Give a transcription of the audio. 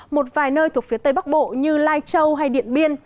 một vài nơi thuộc phía tây bắc bộ như lai châu hay điện biên